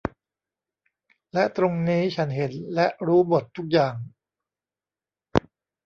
และตรงนี้ฉันเห็นและรู้หมดทุกอย่าง